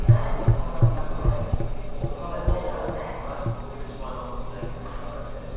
油の中でほかのものも焦げてしまいますので先生